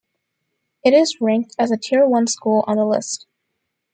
It is ranked as a Tier One school on the list.